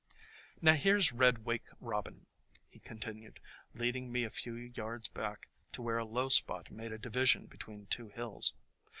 "Now, here 's red Wake Robin," he continued, leading me a few yards back to where a low spot made a division between two hills.